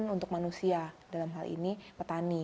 untuk manusia dalam hal ini petani